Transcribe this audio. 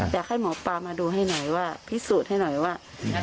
อยากให้หมอปลามาดูให้หน่อยว่าพิสูจน์ให้หน่อยว่า